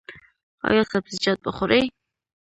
ایا سبزیجات به خورئ؟